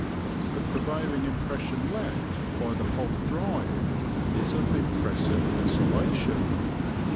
The prevailing impression left by the whole drive is of impressive desolation.